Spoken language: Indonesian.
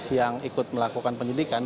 yang ikut melakukan penyidikan